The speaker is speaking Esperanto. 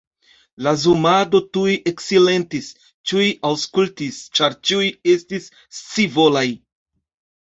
La zumado tuj eksilentis; ĉiuj aŭskultis, ĉar ĉiuj estis scivolaj.